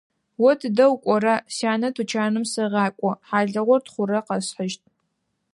О тыдэ укӀора? – Сянэ тучаным сегъакӀо; хьалыгъурэ тхъурэ къэсхьыщт.